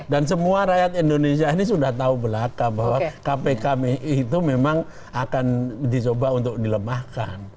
dan semua rakyat indonesia ini sudah tahu belaka bahwa kpk itu memang akan dicoba untuk dilemahkan